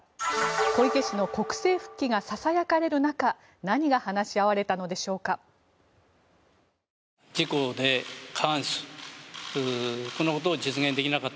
小池氏の国政復帰がささやかれる中何が話し合われたのでしょうか。